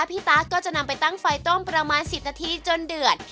ตั๊กก็จะนำไปตั้งไฟต้มประมาณ๑๐นาทีจนเดือด